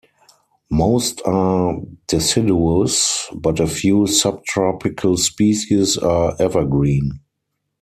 Most are deciduous, but a few subtropical species are evergreen.